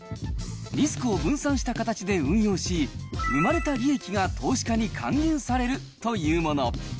リスクを分散した形で運用し、生まれた利益が投資家に還元されるというもの。